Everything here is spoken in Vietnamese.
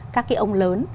các cái ông lớn